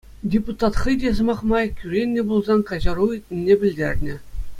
Депутат хӑй те, сӑмах май, кӳреннӗ пулсан каҫару ыйтнине пӗлтернӗ.